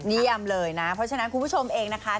เยี่ยมเลยนะเพราะฉะนั้นคุณผู้ชมเองนะคะ